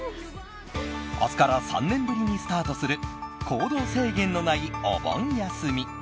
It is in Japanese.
明日から３年ぶりにスタートする行動制限のないお盆休み。